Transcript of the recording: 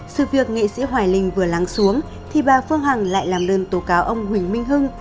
sự việc nghệ sĩ hoài linh vừa lắng xuống thì bà phương hằng lại làm đơn tố cáo ông huỳnh minh hưng